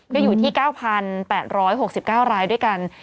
ก็อยู่ที่๙๘๖๙รายด้วยกัน